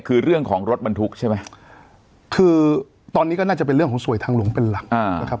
คือเรื่องของรถบรรทุกใช่ไหมคือตอนนี้ก็น่าจะเป็นเรื่องของสวยทางหลวงเป็นหลักนะครับ